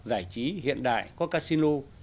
giải trí hiện đại có casino